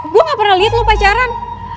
gue gak pernah liat lo pacaran